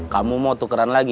kamu mau tukeran lagi